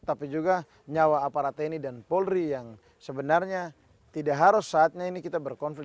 tapi juga nyawa aparat tni dan polri yang sebenarnya tidak harus saatnya ini kita berkonflik